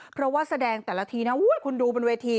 เพราะว่าแสดงแต่ละทีนะคุณดูบนเวที